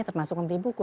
termasuk membeli buku